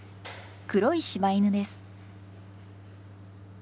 黒い柴犬です。